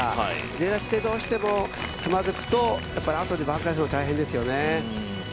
出だしでどうしてもつまずくとあとで挽回するのが大変ですよね。